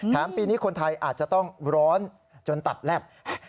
ปีนี้คนไทยอาจจะต้องร้อนจนตับแลบ